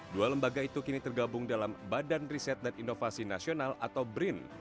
dua lembaga itu kini tergabung dalam badan riset dan inovasi nasional atau brin